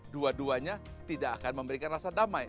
dua duanya tidak akan memberikan rasa damai